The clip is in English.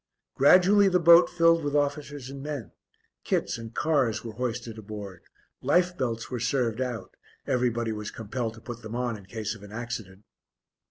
Gradually the boat filled with officers and men; kits and cars were hoisted aboard, life belts were served out; everybody was compelled to put them on in case of an accident.